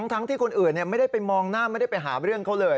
ทั้งที่คนอื่นไม่ได้ไปมองหน้าไม่ได้ไปหาเรื่องเขาเลย